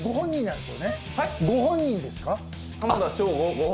ご本人ですか？